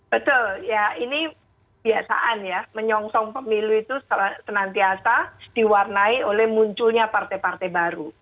betul ya ini biasaan ya menyongsong pemilu itu senantiasa diwarnai oleh munculnya partai partai baru